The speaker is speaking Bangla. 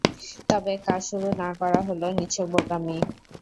তবে কাজ শুরু না করা হল নিছক বোকামি।